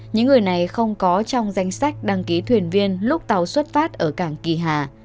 những người này không có trong danh sách đăng ký thuyền viên lúc tàu xuất phát ở cảng kỳ hà